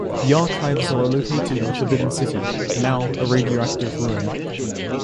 The archives are located in the Forbidden City, now a radioactive ruin.